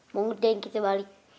mau ngerti yang kita balik